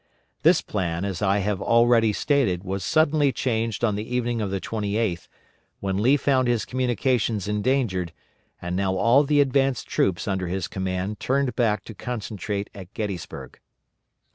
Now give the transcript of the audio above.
This plan, as I have already stated, was suddenly changed on the evening of the 28th, when Lee found his communications endangered, and now all the advanced troops under his command turned back to concentrate at Gettysburg.